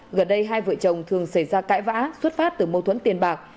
gần đây hai vợ chồng thường xảy ra cãi vã xuất phát từ mâu thuẫn tiền bạc